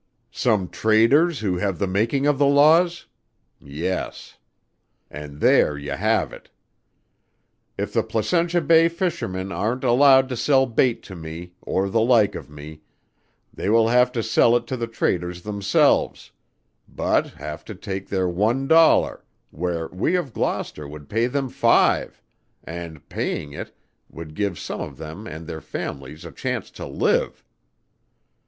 Some traders who have the making of the laws? Yes. And there you have it. If the Placentia Bay fishermen aren't allowed to sell bait to me, or the like of me, they will have to sell it to the traders themselves, but have to take their one dollar, where we of Gloucester would pay them five, and, paying it, would give some of them and their families a chance to live."